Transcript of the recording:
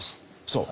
そう。